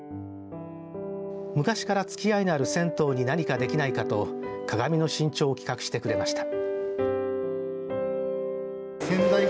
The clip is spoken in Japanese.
昔からつきあいのある銭湯に何かできないかと鏡の新調を企画してくれました。